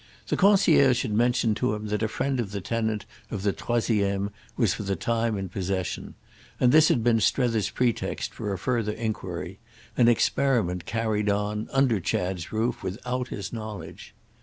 The concierge had mentioned to him that a friend of the tenant of the troisième was for the time in possession; and this had been Strether's pretext for a further enquiry, an experiment carried on, under Chad's roof, without his knowledge.